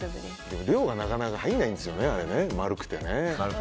けど、量がなかなか入らないんですよね、丸くてね。